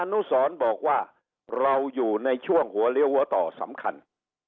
นุสรบอกว่าเราอยู่ในช่วงหัวเลี้ยวหัวต่อสำคัญ